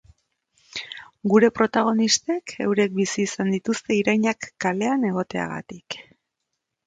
Gure protagonistek eurek bizi izan dituzte irainak kalean egoteagatik.